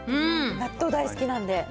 納豆大好きなんで。